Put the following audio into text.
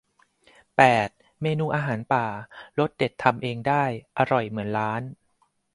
แปด เมนูอาหารป่า รสเด็ดทำเองได้อร่อยเหมือนร้าน